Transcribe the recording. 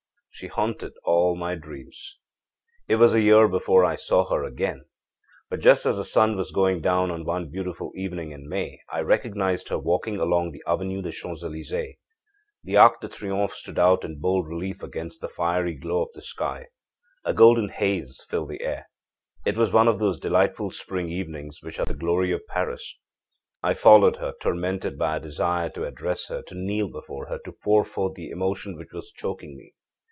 âShe haunted all my dreams. âIt was a year before I saw her again. But just as the sun was going down on one beautiful evening in May I recognized her walking along the Avenue des Champs Elysees. The Arc de Triomphe stood out in bold relief against the fiery glow of the sky. A golden haze filled the air; it was one of those delightful spring evenings which are the glory of Paris. âI followed her, tormented by a desire to address her, to kneel before her, to pour forth the emotion which was choking me.